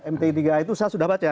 mt tiga itu saya sudah baca